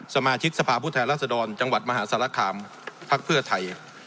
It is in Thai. สมาชิกสภาพุทธแหลศดรจังหวัดมหาสารคามพรรคเพื่อไทย